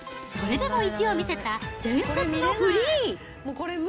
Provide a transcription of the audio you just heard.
それでも意地を見せた伝説のフリー。